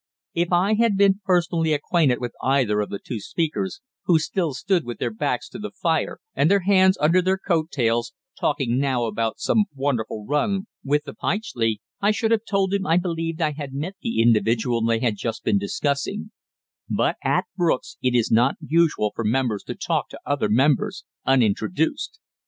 If I had been personally acquainted with either of the two speakers, who still stood with their backs to the fire and their hands under their coat tails, talking now about some wonderful run with the Pytchley, I should have told him I believed I had met the individual they had just been discussing; but at Brooks's it is not usual for members to talk to other members unintroduced.